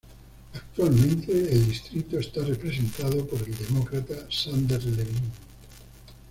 Actualmente el distrito está representado por el Demócrata Sander Levin.